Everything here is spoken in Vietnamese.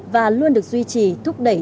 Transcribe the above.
và luôn được duy trì thúc đẩy